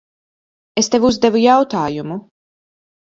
Es tev uzdevu jautājumu.